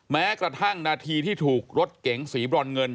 แม้กระทั่งนาทีที่ถูกรถเก๋งสีบรอนเงิน